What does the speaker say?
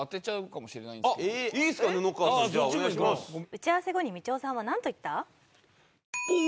打ち合わせ後にみちおさんはなんと言った？